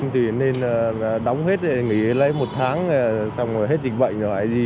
tuy nên đóng hết nghỉ lấy một tháng xong rồi hết dịch bệnh rồi hay gì